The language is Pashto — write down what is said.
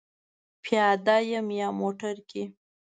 پیاده یم یا موټر کې؟